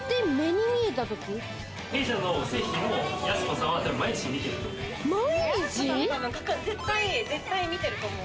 弊社の製品を、やす子さんは毎日見てると思う。